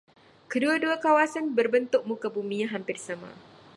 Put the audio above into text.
Kedua-dua kawasan berbentuk muka bumi yang hampir sama.